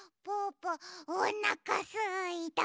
ぽおなかすいた！